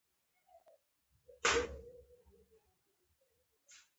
ایا ستاسو اتلان به ستایل کیږي؟